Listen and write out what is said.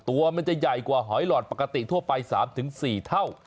ตัวมันจะใหญ่กว่าหอยหลอดปกติทั่วไป๓๔เท่า